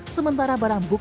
sementara barang bukti